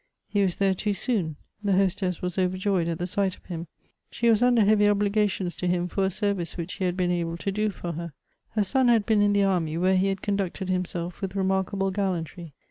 He was there too soon. The hostess was overjoyed at the sight of him ; she was under heavy obli gations to him for a service which he had been able to do for her. Her son had been in the army, where he had conducted himself with remarkable gallantry.